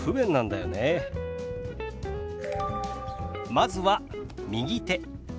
まずは「右手」。